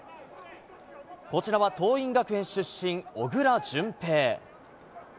こちらは桐蔭学園出身小倉順平。